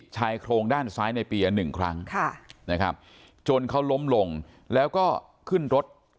ชายโครงด้านซ้ายในเปีย๑ครั้งนะครับจนเขาล้มลงแล้วก็ขึ้นรถ